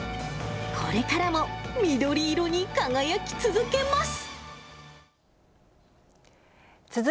これからも緑色に輝き続けます。